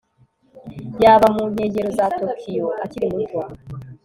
yaba mu nkengero za tokiyo akiri muto